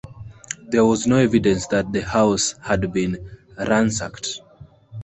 There was no evidence that the house had been ransacked.